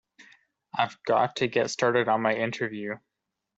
I've got to get started on my interview.